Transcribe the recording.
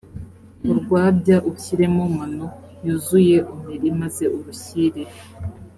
urwabya ushyiremo manu yuzuye omeri maze urushyire